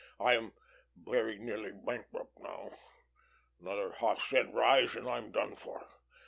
I am very nearly bankrupt now. Another half cent rise, and I'm done for.